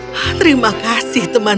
oh saya sangat menyayangi kalian semua